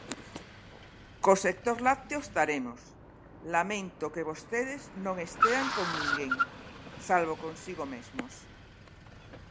Co sector lácteo estaremos, lamento que vostedes non estean con ninguén, salvo consigo mesmos.